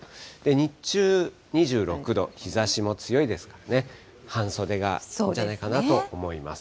日中、２６度、日ざしも強いですからね、半袖がいいんじゃないかなと思います。